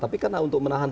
tapi karena untuk menahan